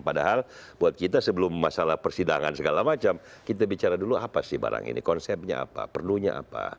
padahal buat kita sebelum masalah persidangan segala macam kita bicara dulu apa sih barang ini konsepnya apa perlunya apa